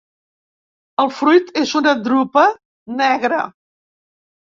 El fruit és una drupa negra.